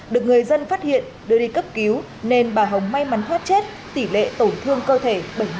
được người dân phát hiện đưa đi cấp cứu nên bà hồng may mắn thoát chết tỷ lệ tổn thương cơ thể bảy mươi